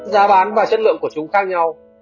giá bán và chất lượng của chúng khác nhau